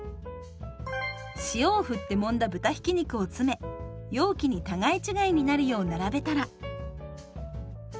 塩を振ってもんだ豚ひき肉を詰め容器に互い違いになるよう並べたら。